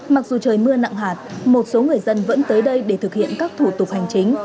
mặc dù trời mưa nặng hạt một số người dân vẫn tới đây để thực hiện các thủ tục hành chính